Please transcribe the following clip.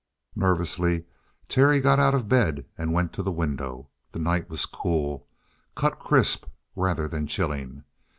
Nervously, Terry got out of bed and went to the window. The night was cool, cut crisp rather than chilling.